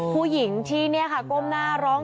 ผู้หญิงที่ก้มหน้าร้อง